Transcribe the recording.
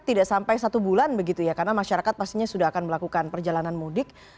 tidak sampai satu bulan begitu ya karena masyarakat pastinya sudah akan melakukan perjalanan mudik